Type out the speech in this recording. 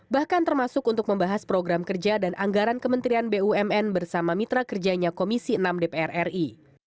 bahkan termasuk untuk membahas program kerja dan anggaran kementerian bumn bersama mitra kerjanya komisi enam dpr ri